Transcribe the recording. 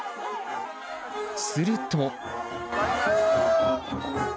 すると。